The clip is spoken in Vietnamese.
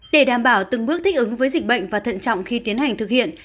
để đảm bảo từng bước thích ứng với dịch bệnh và thận trọng khi tiến hành thực hiện